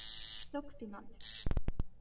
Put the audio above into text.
Tuktynuot.